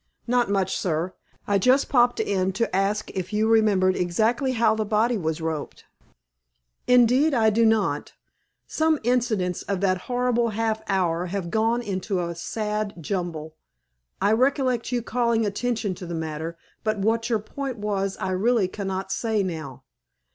"Not much, sir. I just popped in to ask if you remembered exactly how the body was roped?" "Indeed, I do not. Some incidents of that horrible half hour have gone into a sad jumble. I recollect you calling attention to the matter, but what your point was I really cannot say now.